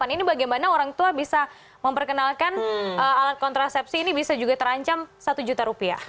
ini bagaimana orang tua bisa memperkenalkan alat kontrasepsi ini bisa juga terancam satu juta rupiah